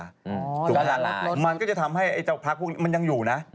นี่ก็จะทำให้มันจะอยู่นะ